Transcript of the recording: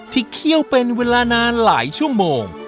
เคี่ยวเป็นเวลานานหลายชั่วโมง